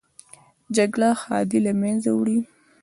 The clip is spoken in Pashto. جګړه ښادي له منځه وړي